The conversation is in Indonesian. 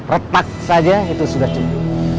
retak saja itu sudah cukup